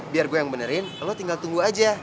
biar gue yang benerin lo tinggal tunggu aja